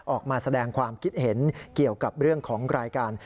ออกมาแสดงความคิดเห็นเกี่ยวกับเรื่องของรายการ